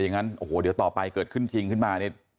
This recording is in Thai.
อย่างนั้นโอ้โหเดี๋ยวต่อไปเกิดขึ้นจริงขึ้นมานี่